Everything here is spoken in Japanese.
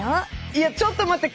いやちょっと待って！